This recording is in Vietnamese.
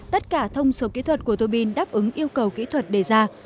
tất cả thông số kỹ thuật của tòa pin đáp ứng yêu cầu kỹ thuật đề ra